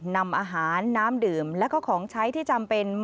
นำอาหารน้ำดื่มแล้วก็ของใช้ที่จำเป็น